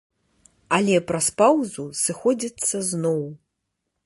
Але праз паўзу, сыходзяцца зноў.